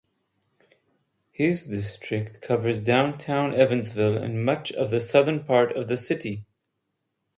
His district covers Downtown Evansville and much of the southern part of the city.